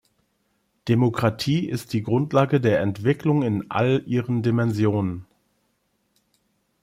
Demokratie ist die Grundlage der Entwicklung in all ihren Dimensionen.